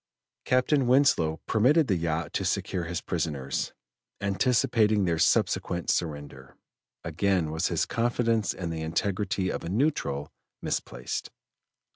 Captain Winslow permitted the yacht to secure his prisoners, anticipating their subsequent surrender. Again was his confidence in the integrity of a neutral misplaced.